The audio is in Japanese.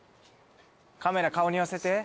カメラ顔に寄せて。